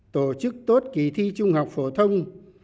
tổ chức tốt kỷ thi trung học phổ thông